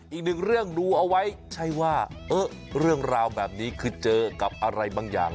อีกหนึ่งเรื่องดูเอาไว้ใช่ว่าเรื่องราวแบบนี้คือเจอกับอะไรบางอย่าง